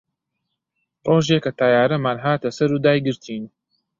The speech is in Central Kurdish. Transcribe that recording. ڕۆژێ کە تەیارەمان هاتە سەر و دایگرتین